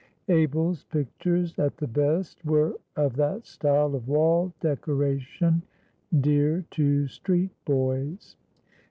Abel's pictures, at the best, were of that style of wall decoration dear to street boys.